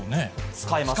使えます。